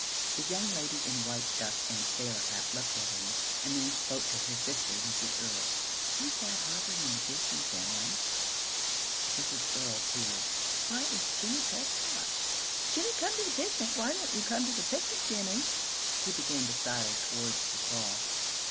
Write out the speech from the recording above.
The young lady in white duck and a sailor hat looked at him, and then spoke to her sister, Mrs. Earl. "Who's that hovering in the distance, Emily?" Mrs. Earl peered. "Why, it's Jimmie Trescott! Jimmie, come to the picnic! Why don't you come to the picnic, Jimmie?" He began to sidle towards the cloth.